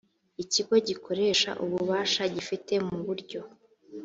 ikigo gikoresha ububasha gifite mu buryo